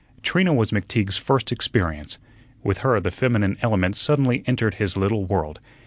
Trina was McTeague's first experience. With her the feminine element suddenly entered his little world.